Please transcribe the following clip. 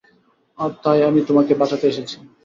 আর তাই আমি তোমাকে বাঁচাতে এসেছি।